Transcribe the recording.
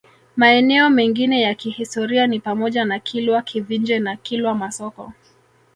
Maeneo mengine ya kihistoria ni pamoja na Kilwa Kivinje na Kilwa Masoko